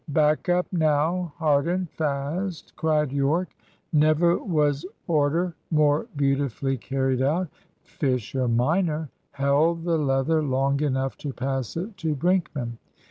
"Back up now hard and fast!" cried Yorke. Never was order more beautifully carried out, Fisher minor held the leather long enough to pass it to Brinkman.